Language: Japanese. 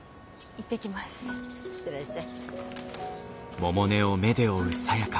行ってらっしゃい。